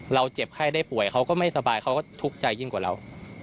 เจ็บไข้ได้ป่วยเขาก็ไม่สบายเขาก็ทุกข์ใจยิ่งกว่าเรา